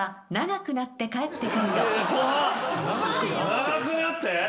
「長くなって」！？